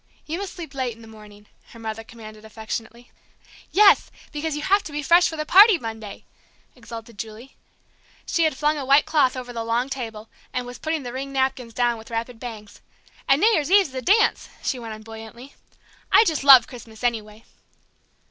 "You must sleep late in the morning," her mother commanded affectionately. "Yes, because you have to be fresh for the party Monday!" exulted Julie. She had flung a white cloth over the long table, and was putting the ringed napkins down with rapid bangs. "And New Year's Eve's the dance!" she went on buoyantly. "I just love Christmas, anyway!"